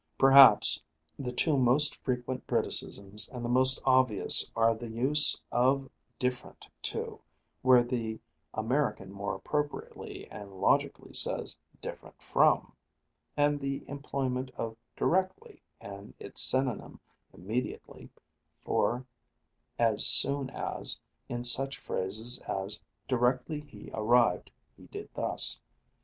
Perhaps the two most frequent Briticisms and the most obvious are the use of different to where the American more appropriately and logically says different from, and the employment of directly and its synonym immediately for as soon as in such phrases as "directly he arrived, he did thus."